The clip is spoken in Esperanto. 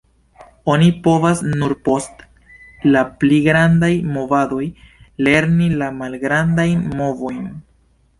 Oni povas nur post la pli grandaj movadoj lerni la malgrandajn movojn.